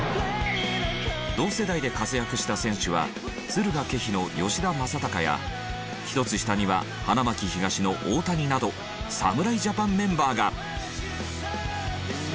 同世代で活躍した選手は敦賀気比の吉田正尚や１つ下には花巻東の大谷など侍ジャパンメンバーが。